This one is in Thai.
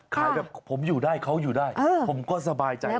ขายแบบผมอยู่ได้เขาอยู่ได้ผมก็สบายใจ